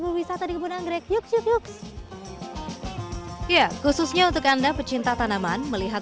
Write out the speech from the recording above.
berwisata di kebun anggrek yuk yuk yuk ya khususnya untuk anda pecinta tanaman melihat